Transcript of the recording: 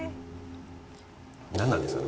何なんですかね？